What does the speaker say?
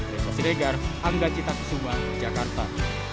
dari pasir egar angga cita kusuma jakarta